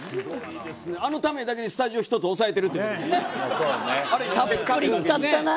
あのためだけにスタジオ一つ押さえてる。